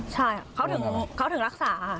ใช่เขาถึงรักษาค่ะ